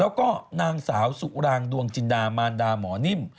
แล้วก็นางสาวสุรางดวงจินดามารดาหมอนิ่ม